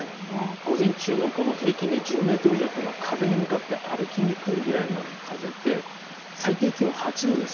午前中の平均で１０メートル以上というのは風に向かって歩きにくいくらいの風です。